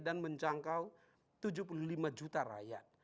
dan menjangkau tujuh puluh lima juta rakyat